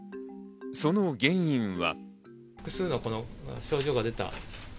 その原因は。